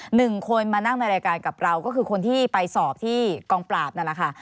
หนึ่งคนมานั่งในรายการกับเราก็คือคนที่ไปสอบที่กองปราบนั่นแหละค่ะ